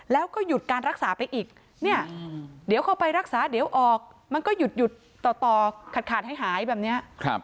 แล้วก็หยุดการรักษาไปอีกเนี่ยเดี๋ยวเข้าไปรักษาเดี๋ยวออกมันก็หยุดต่อขาดให้หายแบบนี้